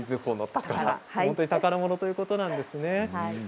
本当に宝物ということなんですね。